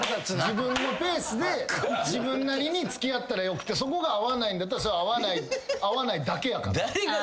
自分のペースで自分なりに付き合ったらよくてそこが合わないんだったらそれは合わないだけやから。